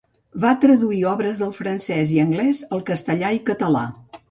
Va traduir obres del francès i anglès al castellà i català.